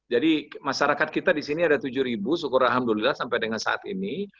jadi masyarakat kita di sini ada tujuh syukur alhamdulillah sampai dengan saat ini